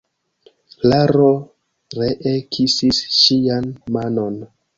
Klaro ree kisis ŝian manon.